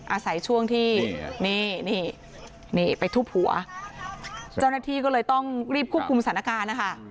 อาศัยช่วงที่นี่นี่ไปทุบหัวเจ้าหน้าที่ก็เลยต้องรีบควบคุมสถานการณ์นะคะ